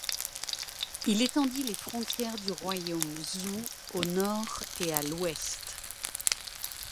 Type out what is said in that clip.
Il étendit les frontières du royaume Zhou au nord et à l'ouest.